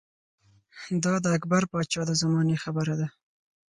دا د اکبر باچا د زمانې خبره ده